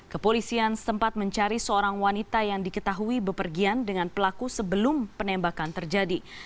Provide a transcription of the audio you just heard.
kepolisian sempat mencari seorang wanita yang diketahui bepergian dengan pelaku sebelum penembakan terjadi